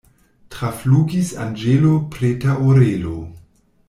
Traflugis anĝelo preter orelo.